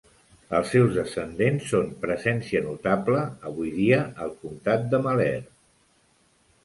Els seus descendents són presència notable avui dia al comtat de Malheur.